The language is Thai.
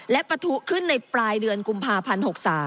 และปะทุขึ้นในปลายเดือนกุมภาพันธ์๖๓